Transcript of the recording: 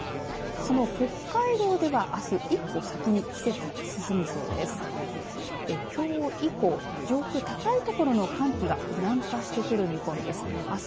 その北海道では、あす一歩先に季節が進みそうです。